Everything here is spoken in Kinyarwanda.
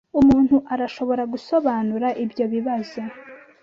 Umuntu arashobora gusobanura ibyo bibazo